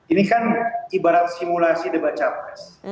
ini kan ibarat simulasi debat capres